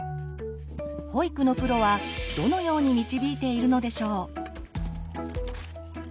保育のプロはどのように導いているのでしょう？